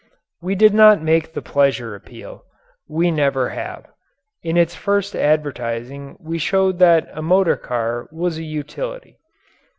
We did not make the pleasure appeal. We never have. In its first advertising we showed that a motor car was a utility.